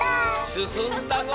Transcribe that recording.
すすんだぞ！